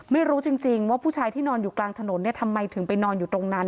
ไม่รู้จริงว่าผู้ชายที่นอนอยู่กลางถนนเนี่ยทำไมถึงไปนอนอยู่ตรงนั้น